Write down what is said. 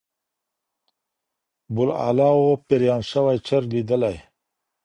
بوالعلا وو بریان سوی چرګ لیدلی